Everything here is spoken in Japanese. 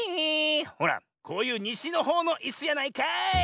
ほらこういうにしのほうのいすやないかい！